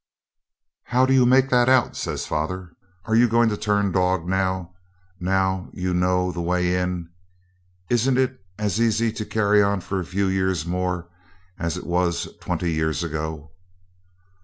'How do you make that out?' says father. 'Are you going to turn dog, now you know the way in? Isn't it as easy to carry on for a few years more as it was twenty years ago?'